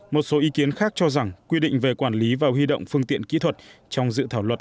một số ý kiến khác cho rằng quy định về quản lý và huy động phương tiện kỹ thuật trong dự thảo luật